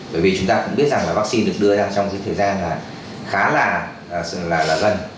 bởi vì chúng ta cũng biết rằng là vaccine được đưa ra trong cái thời gian là khá là gần